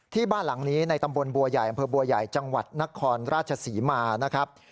บ้านหลังนี้ในตำบลบัวใหญ่อำเภอบัวใหญ่จังหวัดนครราชศรีมานะครับ